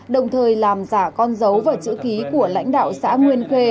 đồng thời làm giả con dấu và chữ ký của lãnh đạo xã nguyên khê